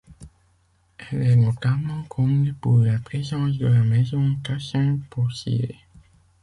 Elle est notamment connue pour la présence de la maison Tassin, peaussier.